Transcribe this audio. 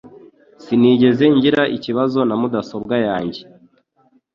Sinigeze ngira ikibazo na mudasobwa yanjye